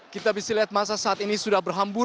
kita bisa lihat masa saat ini sudah berhambur